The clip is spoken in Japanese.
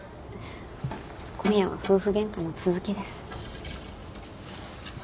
今夜は夫婦ゲンカの続きです。